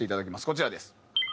こちらです。